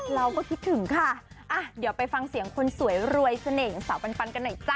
เราก็คิดถึงค่ะเดี๋ยวไปฟังเสียงคนสวยรวยเสน่ห์อย่างสาวปันกันหน่อยจ้